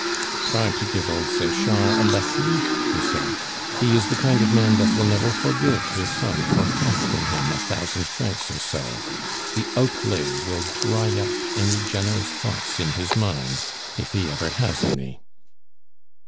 "Try to give old Sechard a lesson," he said. "He is the kind of man that will never forgive his son for costing him a thousand francs or so; the outlay will dry up any generous thoughts in his mind, if he ever has any."